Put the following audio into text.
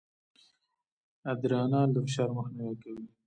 ادرانال د فشار مخنیوی کوي.